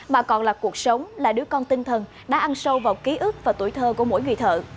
mà còn là cuộc sống là đứa con tinh thần đã ăn sâu vào ký ức và tuổi thơ của mỗi người thợ